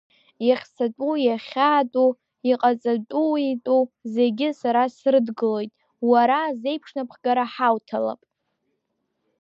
Иахьцатәу-иахьаатәу, иҟаҵатәуиутәу зегьы сара срыдгылоит, уара азеиԥш напхгара ҳауҭалап.